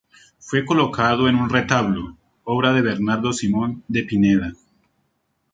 Fue colocado en un retablo, obra de Bernardo Simón de Pineda.